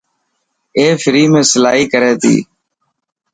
اي فري ۾ سلائي ڪري تي؟